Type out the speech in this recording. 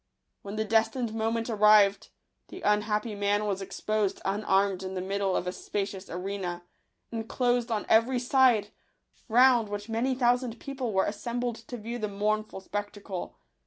When the destined moment arrived, the unhappy man was exposed unarmed in the middle of a spacious arena, enclosed on every side, round which many thousand people were assembled to view the mournful spectacle.